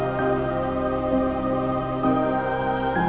emang heretnya iblis gitu tuh pertienschaftnya